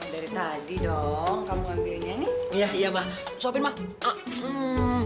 dari tadi dong kamu ambilinnya nih